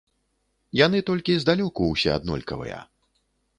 Яны толькі здалёку ўсе аднолькавыя.